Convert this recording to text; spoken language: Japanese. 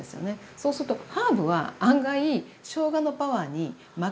そうするとハーブは案外しょうがのパワーに負けて。